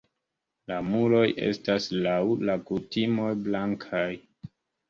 La muroj estas laŭ la kutimoj blankaj.